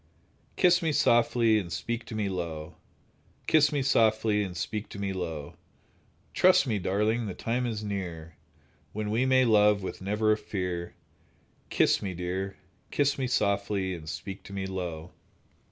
Kiss me softly, and speak to me low. Kiss me softly, and speak to me low; Trust me, darling, the time is near, When we may love with never a fear. Kiss me, dear! Kiss me softly, and speak to me low.